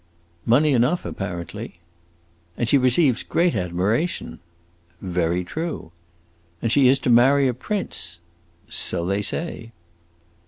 "Money enough, apparently." "And she receives great admiration." "Very true." "And she is to marry a prince." "So they say."